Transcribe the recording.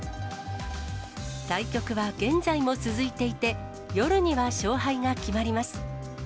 対局は現在も続いていて、夜には勝敗が決まります。